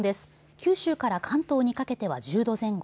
九州から関東にかけては１０度前後。